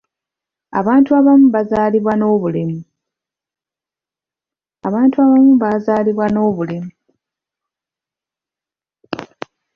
Abantu abamu bazaalibwa n'obulemu.